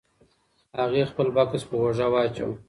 هغې خپل بکس په اوږه واچاوه.